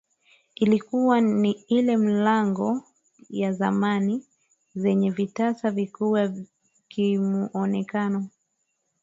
Ilikuwa ni ile milango ya zamani yenye vitasa vikubwa kimuonekano